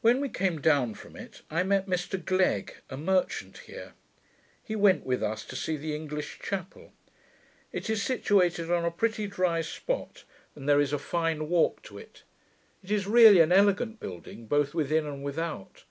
When we came down from it, I met Mr Gleg, a merchant here. He went with us to see the English chapel. It is situated on a pretty dry spot, and there is a fine walk to it. It is really an elegant building, both within and without.